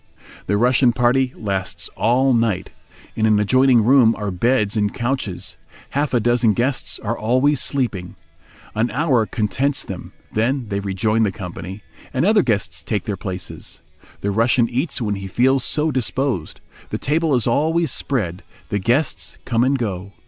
The Russian party lasts all night. In an adjoining room are beds and couches; half a dozen guests are always sleeping. An hour contents them, then they rejoin the company, and other guests take their places. The Russian eats when he feels so disposed; the table is always spread, the guests come and go.